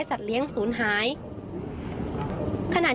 ฉันเพิ่มฟังด้วยครับ